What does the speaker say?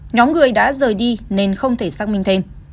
nhóm người đã rời đi nên không thể xác minh thêm